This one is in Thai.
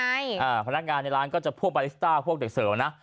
พนักงานในร้านก็จะพวกบาริสต้าพวกเด็กเสิร์ฟนะ